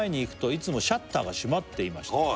「いつもシャッターが閉まっていました」